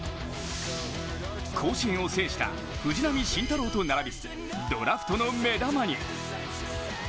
甲子園を制した藤浪晋太郎と並びドラフトの目玉に。